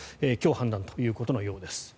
今日、判断ということのようです。